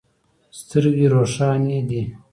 سترګې روښانې دي.